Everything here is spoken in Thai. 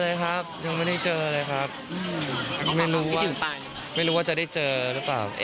เลยครับยังไม่ได้เจอเลยครับไม่รู้ว่าจะได้เจอหรือเปล่า